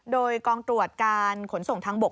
โดยกองตรวจการขนส่งทางบก